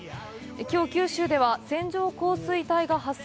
きょう九州では線状降水帯が発生。